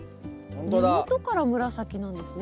根元から紫なんですね。